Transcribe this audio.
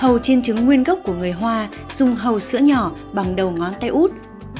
hầu chiên trứng nguyên gốc của người hoa dùng hầu sữa nhỏ bằng đầu ngón tay út